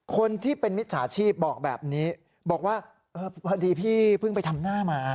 คนที่เป็นมิจฉาชีพบอกแบบนี้บอกว่าพอดีพี่เพิ่งไปทำหน้ามา